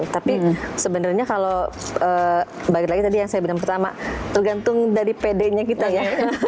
tapi sebenarnya kalau balik lagi tadi yang saya bilang pertama tergantung dari pd nya kita ya